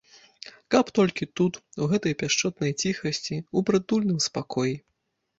Каб толькі тут, у гэтай пяшчотнай ціхасці, у прытульным спакоі.